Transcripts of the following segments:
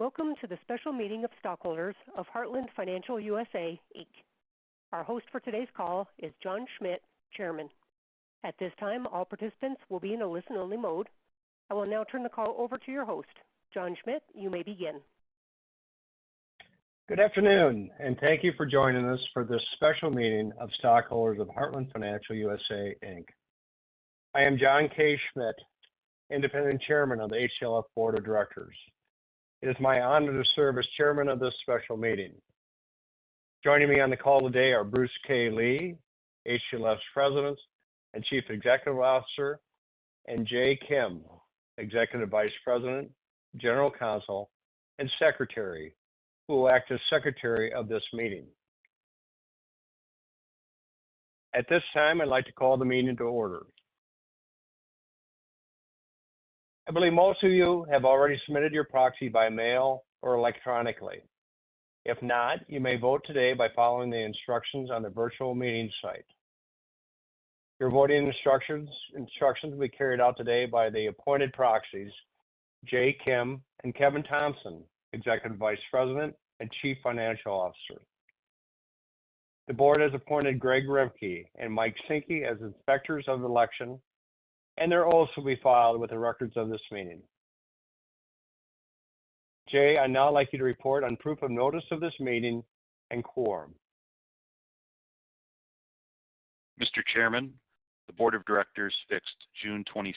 Welcome to the special meeting of stockholders of Heartland Financial USA, Inc. Our host for today's call is John Schmidt, Chairman. At this time, all participants will be in a listen-only mode. I will now turn the call over to your host. John Schmidt, you may begin. Good afternoon, and thank you for joining us for this special meeting of stockholders of Heartland Financial USA, Inc. I am John K. Schmidt, Independent Chairman of the HTLF Board of Directors. It is my honor to serve as chairman of this special meeting. Joining me on the call today are Bruce K. Lee, HTLF's President and Chief Executive Officer, and Jay Kim, Executive Vice President, General Counsel, and Secretary, who will act as secretary of this meeting. At this time, I'd like to call the meeting to order. I believe most of you have already submitted your proxy by mail or electronically. If not, you may vote today by following the instructions on the virtual meeting site. Your voting instructions will be carried out today by the appointed proxies, Jay Kim and Kevin Thompson, Executive Vice President and Chief Financial Officer. The board has appointed Greg Robke and Mike Sinke as inspectors of the election, and they're also to be filed with the records of this meeting. Jay, I'd now like you to report on proof of notice of this meeting and quorum. Mr. Chairman, the Board of Directors fixed June 26th,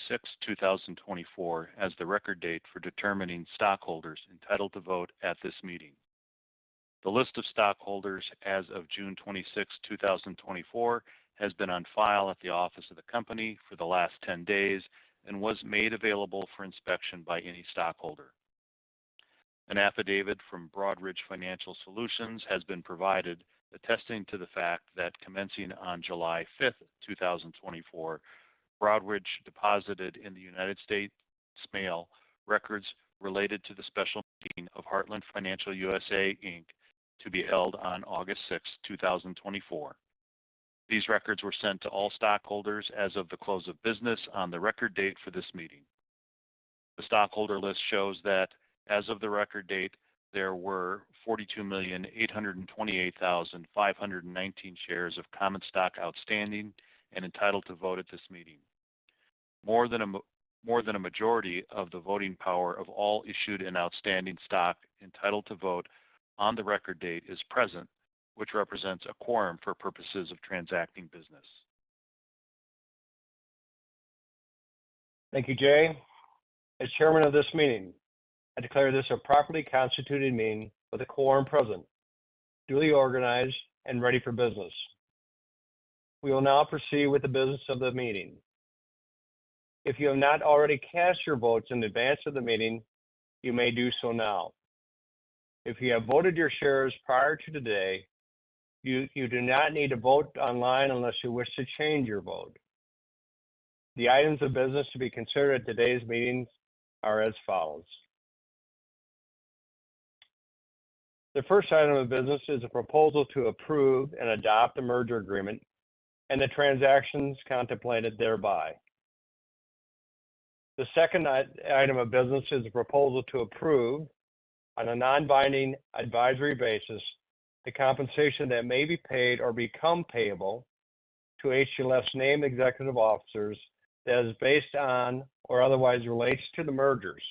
2024, as the Record Date for determining stockholders entitled to vote at this meeting. The list of stockholders as of June 26th, 2024, has been on file at the office of the company for the last 10 days and was made available for inspection by any stockholder. An affidavit from Broadridge Financial Solutions has been provided, attesting to the fact that commencing on July 5th, 2024, Broadridge deposited in the United States Mail records related to the Special Meeting of Heartland Financial USA, Inc., to be held on August 6, 2024. These records were sent to all stockholders as of the close of business on the Record Date for this meeting. The stockholder list shows that as of the record date, there were 42,828,519 shares of common stock outstanding and entitled to vote at this meeting. More than a majority of the voting power of all issued and outstanding stock entitled to vote on the record date is present, which represents a quorum for purposes of transacting business. Thank you, Jay. As chairman of this meeting, I declare this a properly constituted meeting with a quorum present, duly organized and ready for business. We will now proceed with the business of the meeting. If you have not already cast your votes in advance of the meeting, you may do so now. If you have voted your shares prior to today, you do not need to vote online unless you wish to change your vote. The items of business to be considered at today's meetings are as follows: The first item of business is a proposal to approve and adopt the merger agreement and the transactions contemplated thereby. The second item of business is a proposal to approve, on a non-binding advisory basis, the compensation that may be paid or become payable to HTLF's named executive officers that is based on or otherwise relates to the mergers.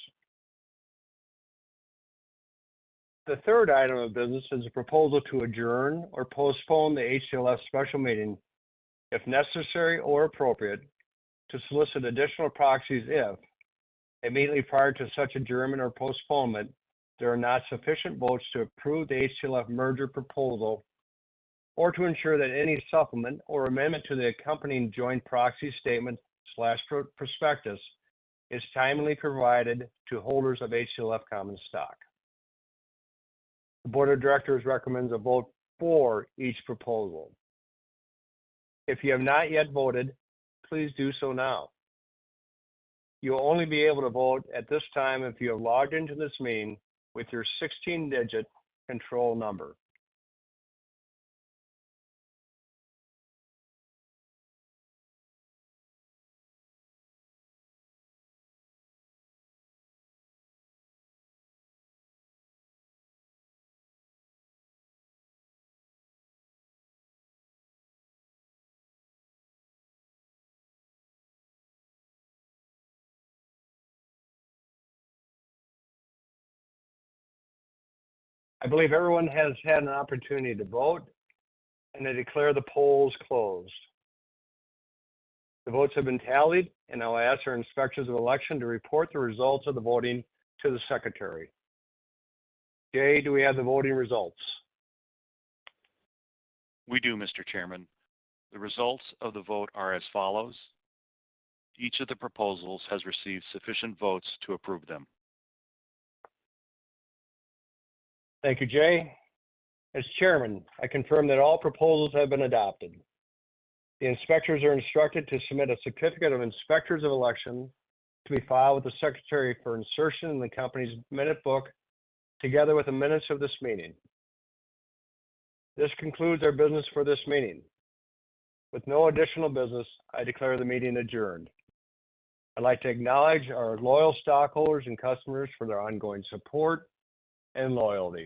The third item of business is a proposal to adjourn or postpone the HTLF special meeting, if necessary or appropriate, to solicit additional proxies if immediately prior to such adjournment or postponement, there are not sufficient votes to approve the HTLF merger proposal or to ensure that any supplement or amendment to the accompanying Joint Proxy Statement/Prospectus is timely provided to holders of HTLF Common Stock. The Board of Directors recommends a vote for each proposal. If you have not yet voted, please do so now. You will only be able to vote at this time if you have logged into this meeting with your 16-digit control number. I believe everyone has had an opportunity to vote, and I declare the polls closed. The votes have been tallied, and I'll ask our Inspectors of Election to report the results of the voting to the secretary. Jay, do we have the voting results? We do, Mr. Chairman. The results of the vote are as follows: Each of the proposals has received sufficient votes to approve them. Thank you, Jay. As Chairman, I confirm that all proposals have been adopted. The inspectors are instructed to submit a certificate of inspectors of election to be filed with the secretary for insertion in the company's minute book, together with the minutes of this meeting. This concludes our business for this meeting. With no additional business, I declare the meeting adjourned. I'd like to acknowledge our loyal stockholders and customers for their ongoing support and loyalty.